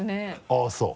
あっそう。